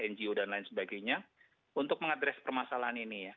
ngo dan lain sebagainya untuk mengadres permasalahan ini ya